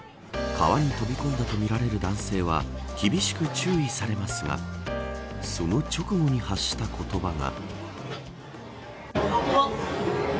川に飛び込んだとみられる男性は、厳しく注意されますがその直後に発した言葉が。